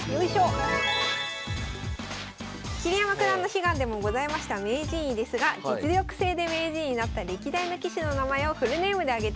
桐山九段の悲願でもございました名人位ですが実力制で名人になった歴代の棋士の名前をフルネームで挙げてください。